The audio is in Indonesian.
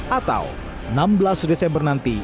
atau enam belas desember nanti